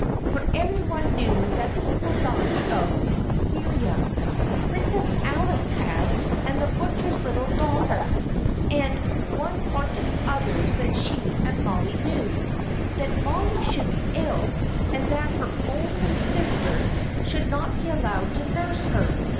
for every one knew that people died of diphtheria: Princess Alice had, and the butcher's little daughter, and one or two others that she and Mollie knew that Mollie should be ill, and that her only sister should not be allowed to nurse her!